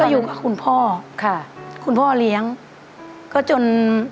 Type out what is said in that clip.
อยู่กับคุณพ่อค่ะคุณพ่อเลี้ยงก็จน